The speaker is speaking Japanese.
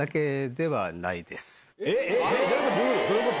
えっどういうこと？